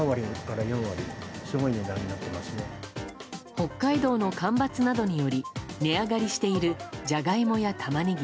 北海道の干ばつなどにより値上がりしているジャガイモやタマネギ。